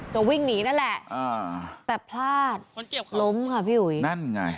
จะวิ่งหนีนั่นแหละอ่าแต่พลาดล้มค่ะพี่อุ๋ยนั่นไง